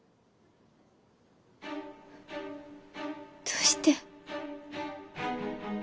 どうして？